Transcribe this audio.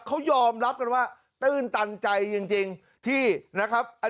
กลับมาประเทศไทยครับ